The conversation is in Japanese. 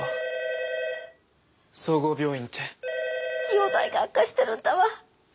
容体が悪化してるんだわ。